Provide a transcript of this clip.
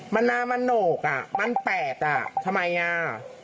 มันนามะโนกแปดทำไม